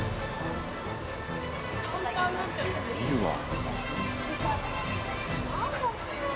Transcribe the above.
見るわ。